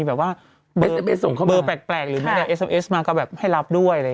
เบอร์แปลกมาก็ให้รับด้วย